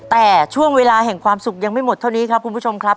แต่ช่วงเวลาแห่งความสุขยังไม่หมดเท่านี้ครับคุณผู้ชมครับ